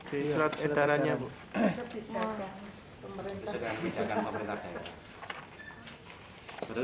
di seratus hektarannya bu